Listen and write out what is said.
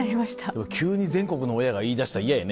でも急に全国の親が言いだしたら嫌やね。